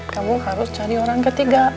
kamu harus cari orang ketiga